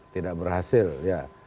tidak berhasil ya